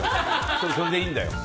それでいいんだよ。